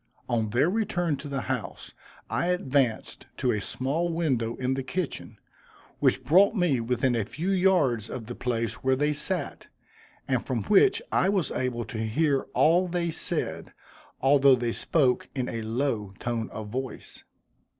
On their return to the house, I advanced to a small window in the kitchen, which brought me within a few yards of the place where they sat, and from which I was able to hear all they said, although they spoke in a low tone of voice.